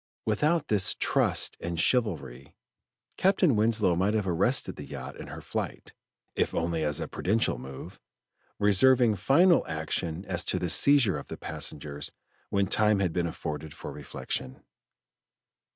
Without this trust in chivalry, Captain Winslow might have arrested the yacht in her flight, if only as a prudential motive, reserving final action as to the seizure of the passengers when time had been afforded for reflection.